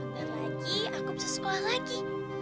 ntar lagi aku bisa sekolah lagi